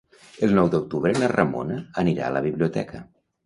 El nou d'octubre na Ramona anirà a la biblioteca.